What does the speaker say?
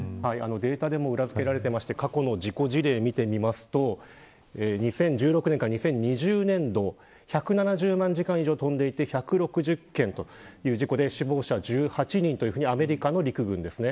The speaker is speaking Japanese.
データでも裏付けられていて過去の事故事例を見てみると２０１６年から２０２０年度１７０万時間以上飛んでいて１６０件という事故で死亡者１８人というふうにアメリカの陸軍ですね。